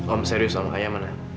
om serius om ayah mana